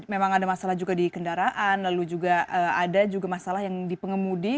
memang ada masalah juga di kendaraan lalu juga ada juga masalah yang di pengemudi